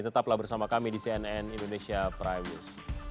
tetaplah bersama kami di cnn indonesia prime news